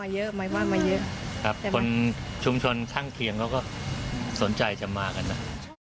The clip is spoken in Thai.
เยอะครับคนชุมชนข้างเคียงเขาก็สนใจจะมากันนะ